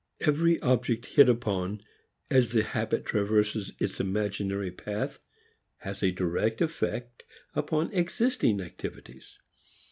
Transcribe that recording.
Every object hit upon as the habit traverses its imaginary path has a direct effect upon existing activities.